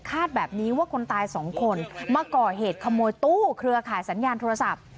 แบบนี้ว่าคนตายสองคนมาก่อเหตุขโมยตู้เครือข่ายสัญญาณโทรศัพท์